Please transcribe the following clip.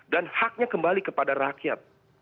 dan haknya kembali kepada rakyat